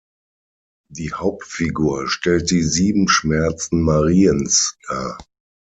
Die Hauptfigur stellt die Sieben Schmerzen Mariens dar.